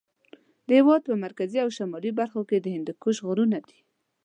د هېواد په مرکزي او شمالي برخو کې د هندوکش غرونه دي.